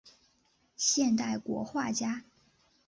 现代国画家。